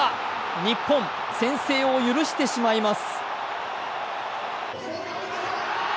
日本、先制を許してしまいます。